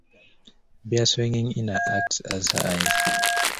Beer-swigging Ina acts as her eyes.